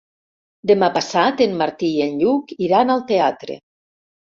Demà passat en Martí i en Lluc iran al teatre.